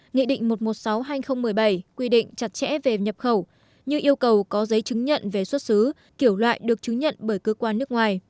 nghị định một trăm một mươi sáu hai nghìn một mươi bảy quy định chặt chẽ về nhập khẩu như yêu cầu có giấy chứng nhận về xuất xứ kiểu loại được chứng nhận bởi cơ quan nước ngoài